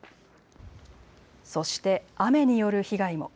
そして雨による被害も。